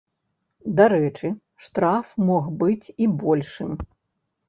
Дарэчы, штраф мог быць і большым.